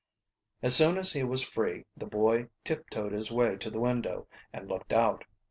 As soon as he was free the boy tiptoed his way to the window and looked out.